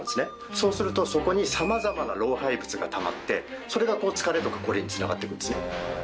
そうするとそこに様々な老廃物がたまってそれが疲れとかコリに繋がっていくんですね。